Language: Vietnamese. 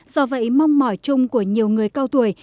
do vậy mong mỏi chung của nhiều người cao tuổi